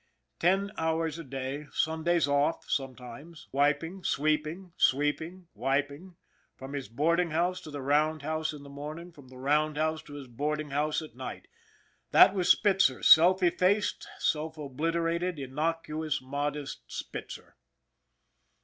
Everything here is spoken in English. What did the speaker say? Ten hours a day, Sundays off sometimes wiping, sweeping, sweeping, wiping, from his boarding house to the roundhouse in the morning, from the roundhouse to his boarding house at night that was Spitzer, self effaced, self obliter ated, innocuous, modest Spitzer.